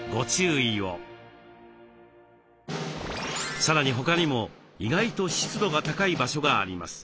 さらに他にも意外と湿度が高い場所があります。